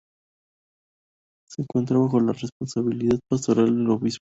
Se encuentra bajo la responsabilidad pastoral del obispo László Kiss-Rigó.